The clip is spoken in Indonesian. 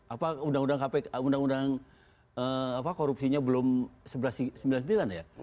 apa undang undang korupsinya belum seribu sembilan ratus sembilan puluh sembilan ya